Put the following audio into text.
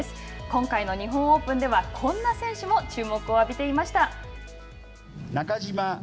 今回の日本オープンではこんな選手も注目を浴びていました。